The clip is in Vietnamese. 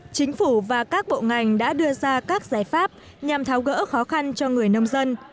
chính phủ và các bộ ngành đã đưa ra các giải pháp nhằm tháo gỡ khó khăn cho người nông dân